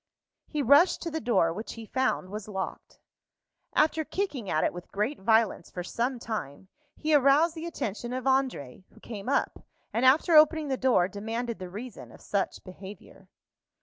He rushed to the door, which he found was locked. After kicking at it with great violence for some time, he aroused the attention of André, who came up, and, after opening the door, demanded the reason of such behavior.